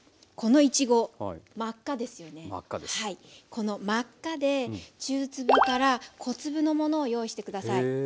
この真っ赤で中粒から小粒のものを用意して下さい。